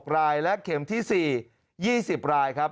รายและเข็มที่๔๒๐รายครับ